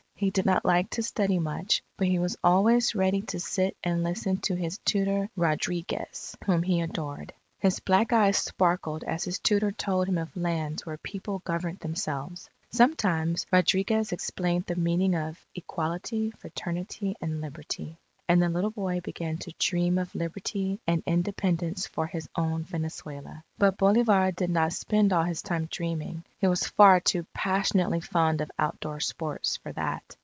He did not like to study much; but he was always ready to sit and listen to his tutor Rodriguez, whom he adored. His black eyes sparkled as his tutor told him of lands where people governed themselves. Sometimes Rodriguez explained the meaning of Equality, Fraternity, and Liberty. And the little boy began to dream of Liberty and Independence for his own Venezuela. But Bolivar did not spend all his time dreaming, he was far too passionately fond of outdoor sports for that.